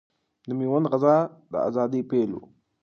د ميوند غزا د اذادۍ پيل ؤ